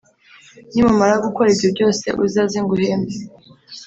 nimumara gukora ibyo byose uzaze nguhembe